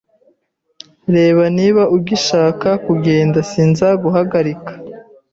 Reba, niba ugishaka kugenda, sinzaguhagarika